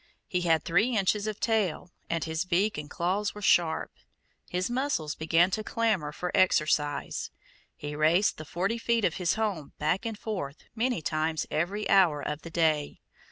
He had three inches of tail, and his beak and claws were sharp. His muscles began to clamor for exercise. He raced the forty feet of his home back and forth many times every hour of the day.